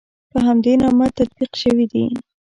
په همدې نامه تطبیق شوي دي.